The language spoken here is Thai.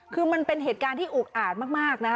คือมันเป็นเหตุการณ์ที่อุกอาดมากนะ